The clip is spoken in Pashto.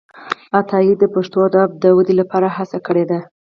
عطايي د پښتو ادب د ودې لپاره هڅي کړي دي.